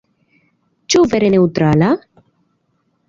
Ĉu vere neŭtrala?